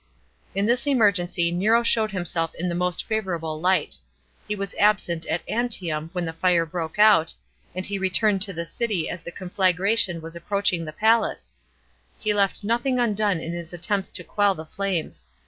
In this emergency Nero showed himself in the most favourable light. He was absent at Antium when the fire broke out, and he* returned to the city as the conflagration was approaching the palace, He left nothing undone in his attempts to qu< ll the flames.